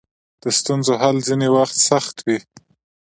د ستونزو حل ځینې وخت سخت وي.